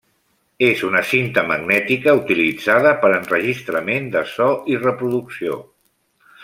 És una cinta magnètica utilitzada per a enregistrament de so i reproducció.